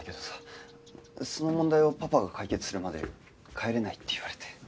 その問題をパパが解決するまで帰れないって言われて。